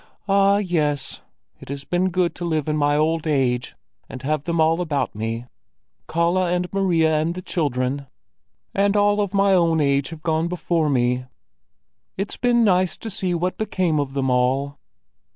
Ah! yes, it has been good to live in my old age and have them all about me— Kalle and Maria and the children. And all of my own age have gone before me; it's been nice to see what became of them all."